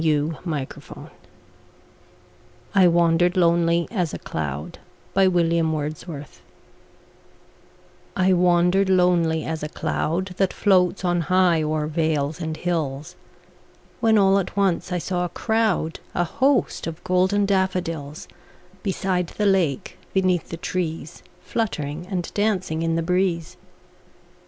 William Wordsworth I Wandered Lonely As a Cloud I WANDERED lonely as a cloud That floats on high o'er vales and hills, When all at once I saw a crowd, A host, of golden daffodils; Beside the lake, beneath the trees, Fluttering and dancing in the breeze.